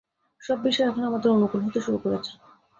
সব বিষয় এখন আমাদের অনুকূল হতে শুরু করেছে।